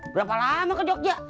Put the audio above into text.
berapa lama ke jogja